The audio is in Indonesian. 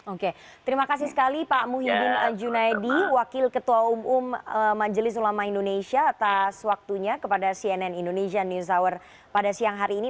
oke terima kasih sekali pak muhyiddin junaedi wakil ketua umum majelis ulama indonesia atas waktunya kepada cnn indonesia news hour pada siang hari ini